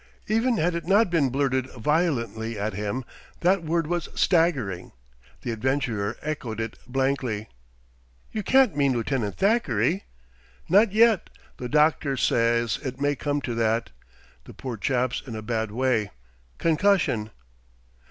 Even had it not been blurted violently at him, that word was staggering. The adventurer echoed it blankly. "You can't mean Lieutenant Thackeray ?" "Not yet, though doctor says it may come to that; the poor chap's in a bad way concussion."